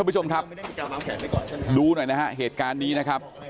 ผู้ชมครับดูหน่อยนะฮะเหตุการณ์นี้นะครับ